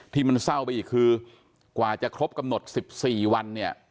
ที่มันเศร้าไปอีกคือกว่าจะครบกำหนด๑๔วันเนี่ย